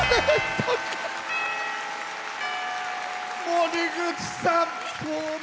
森口さん。